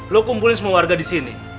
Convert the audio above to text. lo kumpulin semua warga di sini